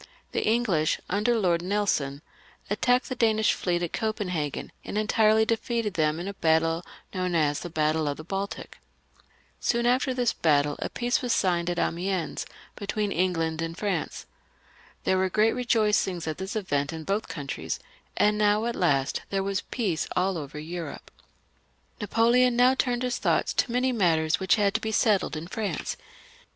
The English, under Lord Nelson, attacked the Danish fleet at Copenhagen, and entirely defeated them in a battle known as the Battle of the Baltic. Soon after this battle a peace was signed at Amiens between England and France. There were great rejoicings at this event in both countries ; and now, at last, there was peace all over Europe. Napoleon now turned his thoughts to many matters which had to be settled in France.